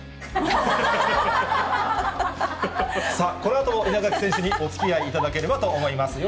さあ、このあとも稲垣選手におつきあいいただければと思います。